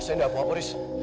saya tidak apa apa riz